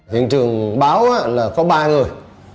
hiện trường báo là có ba người